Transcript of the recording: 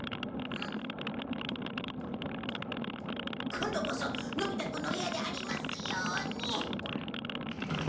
今度こそのび太くんの部屋でありますように。